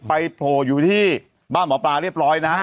โผล่อยู่ที่บ้านหมอปลาเรียบร้อยนะฮะ